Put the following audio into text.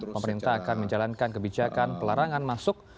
pemerintah akan menjalankan kebijakan pelarangan masuk